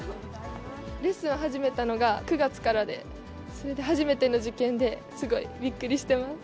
レッスンを始めたのが９月からで、初めての受験で、すごいびっくりしてます。